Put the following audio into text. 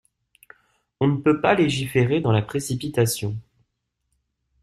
On ne peut pas légiférer dans la précipitation.